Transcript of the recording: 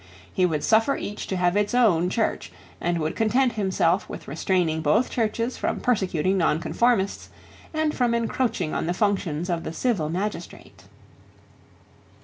He would suffer each to have its own church, and would content himself with restraining both churches from persecuting nonconformists, and from encroaching on the functions of the civil magistrate.